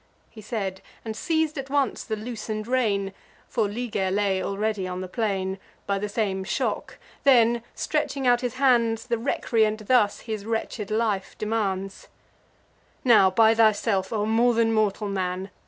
He said, and seiz'd at once the loosen'd rein; For Liger lay already on the plain, By the same shock: then, stretching out his hands, The recreant thus his wretched life demands: "Now, by thyself, O more than mortal man!